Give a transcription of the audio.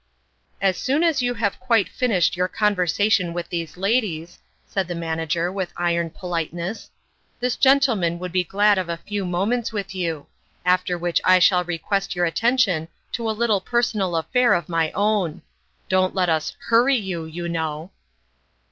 "As soon as you have quite finished your conversation with these ladies," said the Man ager, with iron politeness, " this gentleman would be glad of a few moments with you ; after which I shall request your attention to a little personal affair of my own. Don't let us hurry you, you know